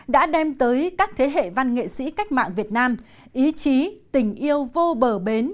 đã đem tới các thế hệ văn nghệ sĩ cách mạng việt nam ý chí tình yêu vô bờ bến